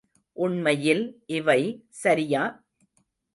உண்மையில் இவை சரியா?